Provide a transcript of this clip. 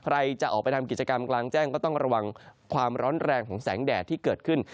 ใครจะออกไปทำกิจกรรมกลางแจ้งก็ต้องระวังความร้อนแรงของแสงแดดที่เกิดขึ้น